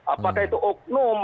apakah itu oknum